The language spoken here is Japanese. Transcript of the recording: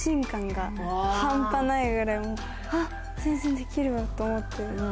あっ全然できるわと思って。